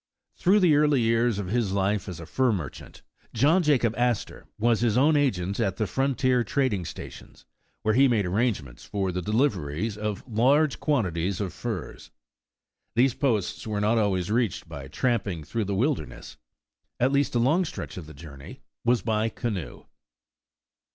THROUGH the early years of his life as a fur mer chant, John Jacob Astor was his own agent at the frontier trading stations, where he made ar rangements for the delivery of large quantities of furs. These posts were not always reached by tramping through the wilderness. At least a long stretch of the journey was by canoe.